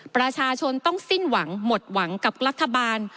ประชาชนต้องสิ้นหวังหมดหวังกับรัฐบาล